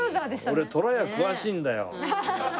俺とらや詳しいんだよ。